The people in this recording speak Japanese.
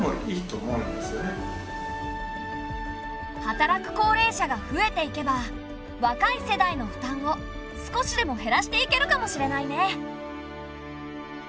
働く高齢者が増えていけば若い世代の負担を少しでも減らしていけるかもしれないね。